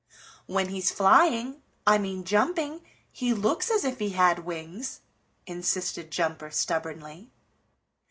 "When he's flying, I mean jumping, he looks as if he had wings," insisted Jumper stubbornly.